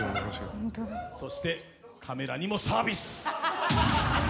そしてカメラにもサービス！